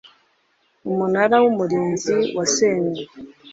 umunara w umurinzi warasenywe